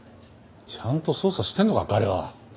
ちゃんと捜査してるのか彼は。